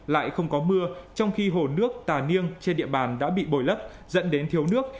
lại không có mưa trong khi hồ nước tà niêg trên địa bàn đã bị bồi lấp dẫn đến thiếu nước